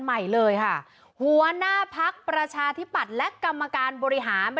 ใหม่เลยค่ะหัวหน้าพักประชาธิปัตย์และกรรมการบริหาร